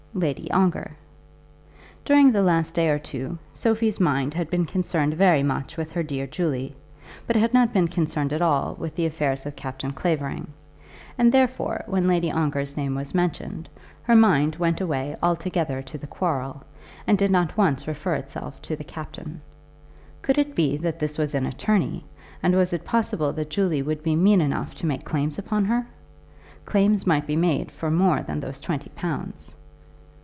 "Lady Ongar." During the last day or two Sophie's mind had been concerned very much with her dear Julie, but had not been concerned at all with the affairs of Captain Clavering, and, therefore, when Lady Ongar's name was mentioned, her mind went away altogether to the quarrel, and did not once refer itself to the captain. Could it be that this was an attorney, and was it possible that Julie would be mean enough to make claims upon her? Claims might be made for more than those twenty pounds.